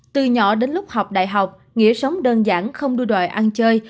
từ nhỏ đến lúc học đại học nghĩa sống đơn giản không đưa đòi ăn chơi